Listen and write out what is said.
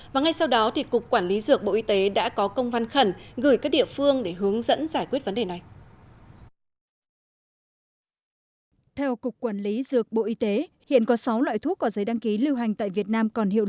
và ngay sau đó thì cục quản lý dược bộ y tế đã có công văn khẩn gửi các địa phương để hướng dẫn giải quyết vấn đề này